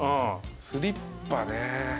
スリッパね。